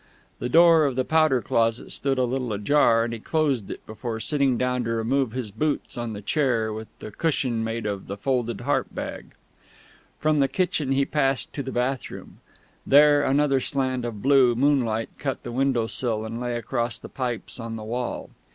The door of the powder closet stood a little ajar, and he closed it before sitting down to remove his boots on the chair with the cushion made of the folded harp bag. From the kitchen he passed to the bathroom. There, another slant of blue moonlight cut the windowsill and lay across the pipes on the wall.